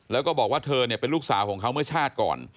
แล้วก็บอกว่าเธอเป็นลูกสาวของเขาเมื่อชาติก่อน